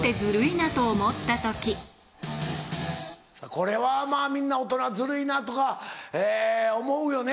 これはまぁみんな大人はズルいなとか思うよね。